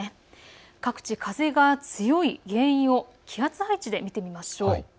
各地、風が強い原因を気圧配置で見てみましょう。